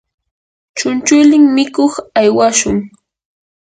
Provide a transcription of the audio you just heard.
chunchulin mikuq aywashun.